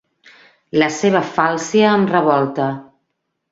La seva falsia em revolta.